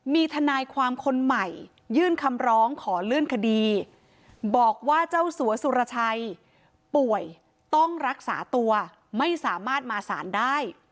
มีทนายความคนใหม่ยื่นคำร้องขอเลื่อนคดีบอกว่าเจ้าสัวสุรชัยป่วยต้องรักษาตัวไม่สามารถมาสารได้